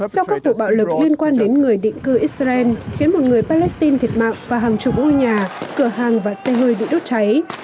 sau các vụ bạo lực liên quan đến người định cư israel khiến một người palestine thiệt mạng và hàng chục ngôi nhà cửa hàng và xe hơi bị đốt cháy